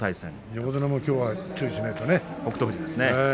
横綱もきょうは注意しないとですね。